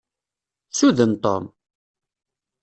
Suden Tom!